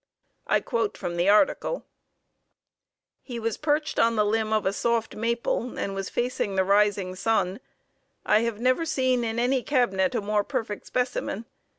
I quote from the article: "He was perched on the limb of a soft maple and was facing the rising sun. I have never seen in any cabinet a more perfect specimen.